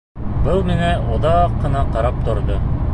Был миңә оҙаҡ ҡына ҡарап торҙо.